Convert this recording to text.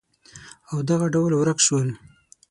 او دغه ډول ورک شول